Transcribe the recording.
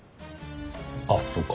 あっそうか。